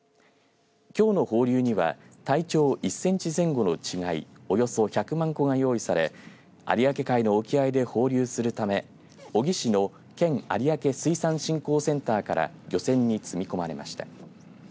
きょうの放流には体長１センチ前後の稚貝およそ１００万個が用意され有明海の沖合で放流するため小城市の県有明水産振興センターから漁船に積み込まれました。